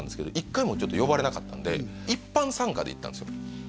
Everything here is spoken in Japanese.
１回も呼ばれなかったんで一般参加で行ったんですよ